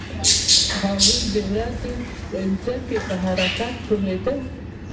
هغوی د ځمکې په حرکت پوهیدل.